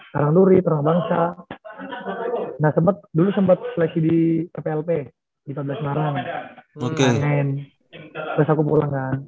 karangturi terengbangsa nah sempet dulu sempet kelas di pplp di empat belas semarang terus aku pulang kan